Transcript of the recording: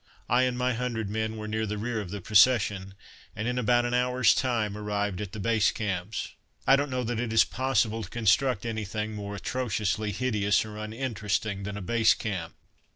I and my hundred men were near the rear of the procession, and in about an hour's time arrived at the Base Camps. I don't know that it is possible to construct anything more atrociously hideous or uninteresting than a Base Camp.